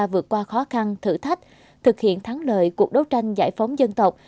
vượt qua khó khăn thử thách thực hiện thắng lợi cuộc đấu tranh giải phóng dân tộc